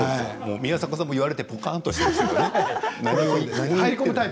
宮迫さんも言われてぽかんとしましたよ。